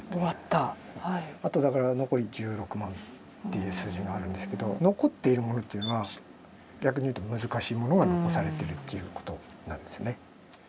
あとだから残り１６万という数字があるんですけど残っているものというのは逆に言うと難しいものが残されているということなんですね。